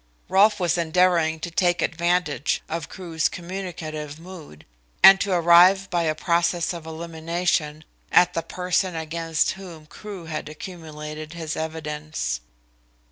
Rolfe was endeavouring to take advantage of Crewe's communicative mood and to arrive by a process of elimination at the person against whom Crewe had accumulated his evidence.